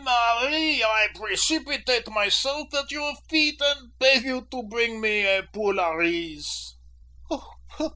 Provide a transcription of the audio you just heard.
"Marie, I precipitate myself at your feet, and beg you to bring me a poule au riz."